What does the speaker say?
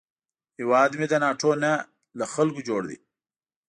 هیواد مې د ناټو نه، له خلکو جوړ دی